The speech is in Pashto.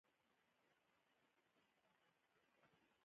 د ډبرو سکاره د خښتو په بټیو کې کارول کیږي